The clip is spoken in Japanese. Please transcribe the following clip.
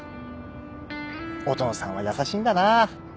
音野さんは優しいんだな。